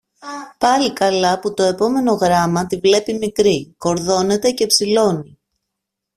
Πάλι καλά που το επόμενο γράμμα τη βλέπει μικρή, κορδώνεται και ψηλώνει